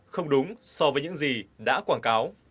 không đúng so với những gì đã quảng cáo